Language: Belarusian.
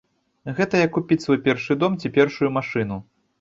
Гэта як купіць свой першы дом ці першую машыну.